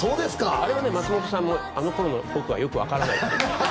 あれは松本さんもあの頃の僕はよくわからないって。